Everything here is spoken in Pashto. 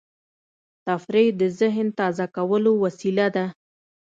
تفریح د ذهن تازه کولو وسیله ده.